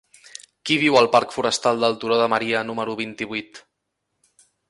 Qui viu al parc Forestal del Turó de Maria número vint-i-vuit?